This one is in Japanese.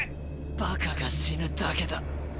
馬鹿が死ぬだけだ。